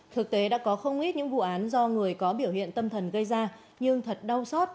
thực tế đã có không ít những vụ án do người có biểu hiện tâm thần gây ra nhưng thật đau xót